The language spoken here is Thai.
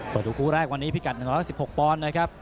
ดูคู่แรกวันนี้พิกัด๑๑๖ปอนด์นะครับ